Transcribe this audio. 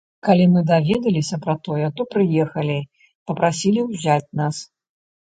Калі мы даведаліся пра тое, то прыехалі, папрасілі ўзяць нас.